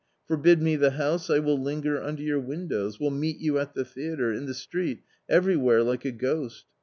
Forbid me the house, I will linger under your windows, will meet you at the theatre, in the street, everywhere, like a ghost.